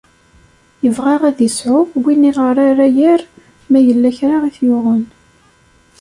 Ibɣa ad isɛu winn i ɣer ara yerr ma yella kra i t-yuɣen.